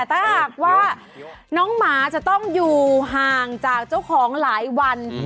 ถ้าหากว่าน้องหมาจะต้องอยู่ห่างจากเจ้าของหลายวัน